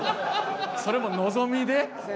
それものぞみで？